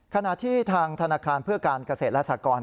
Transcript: ขณะที่ทางธนาคารเพื่อการเกษตรและสากร